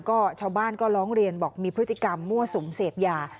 ก็ชาวบ้านก็ร้องเรียนบอกมีพฤติกรรมมั่วสุมเสพยา